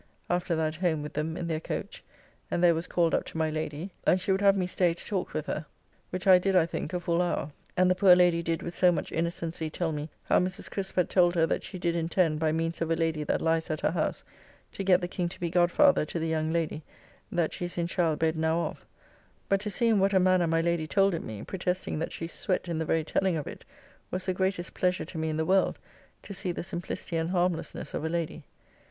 After that home with them in their coach, and there was called up to my Lady, and she would have me stay to talk with her, which I did I think a full hour. And the poor lady did with so much innocency tell me how Mrs. Crispe had told her that she did intend, by means of a lady that lies at her house, to get the King to be godfather to the young lady that she is in childbed now of; but to see in what a manner my Lady told it me, protesting that she sweat in the very telling of it, was the greatest pleasure to me in the world to see the simplicity and harmlessness of a lady.